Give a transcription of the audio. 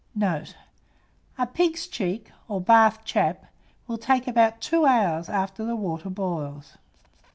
Note. A pig's check, or Bath chap, will take about 2 hours after the water boils.